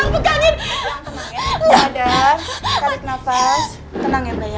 tenang ya tenang ya jadah tarik nafas tenang ya mbak ya